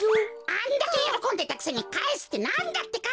あんだけよろこんでたくせにかえすってなんだってか！